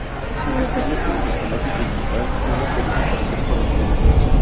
Siendo este el personaje principal, tuvo que desaparecer por un tiempo.